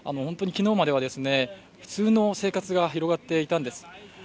昨日までは普通の生活が広がっていたんです。